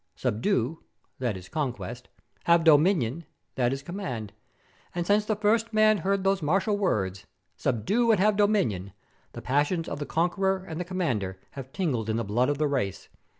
'Subdue!' that is Conquest; 'have dominion!' that is Command. And since the first man heard those martial words, 'Subdue and have dominion!' the passions of the conqueror and the commander have tingled in the blood of the race.